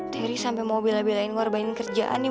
teri sampai mau belah belahin ngorbanin kerjaan ya